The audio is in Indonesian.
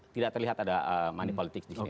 tidak terlihat ada money politics disini